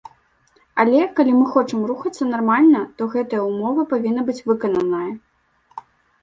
Але калі мы хочам рухацца нармальна, то гэтая ўмова павінна быць выкананая.